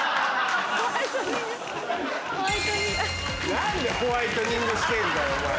何でホワイトニングしてんだよ。